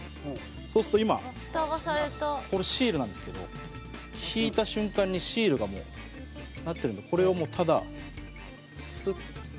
そうすると、今、これシールなんですけど引いた瞬間にシールが、もう、なってるのでこれをもう、ただ、スッ。